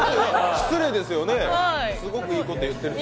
失礼ですよね、すごくいいこと言ってるのに。